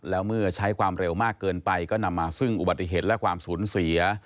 แล้วเมื่อใช้ความเร็วมากเกินไปก็นำมาซึ่งอุบัติเหตุและความสูญเสีย